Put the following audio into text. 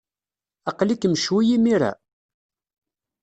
Aql-ikem ccwi imir-a?